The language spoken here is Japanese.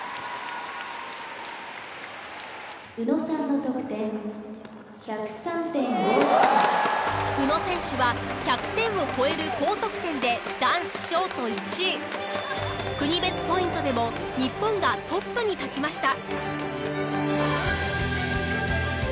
「宇野さんの得点１０３．５３」宇野選手は１００点を超える高得点で男子ショート１位。国別ポイントでも日本がトップに立ちました。